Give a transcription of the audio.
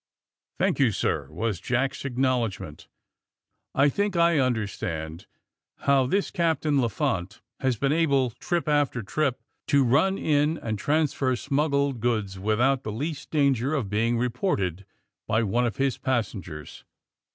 ''Thank you, sir," was Jack's acknowledg AND THE SMUGGLEES 215 ment. '*! think I understand how this Captain Lafonte has been able, trip after trip, to run in and transfer smuggled goods without the least danger of being reported by one of his passen gers.